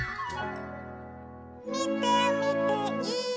「みてみてい！」